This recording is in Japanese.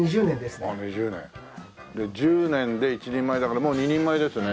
１０年で一人前だからもう二人前ですね。